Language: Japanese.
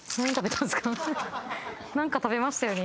何か食べましたよね？